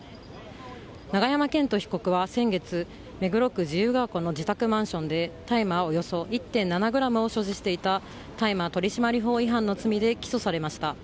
永山絢斗被告は先月目黒区自由が丘の自宅マンションで大麻およそ１．７ｇを所持していた大麻取締法違反の罪で起訴されました。